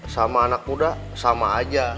sama anak muda sama aja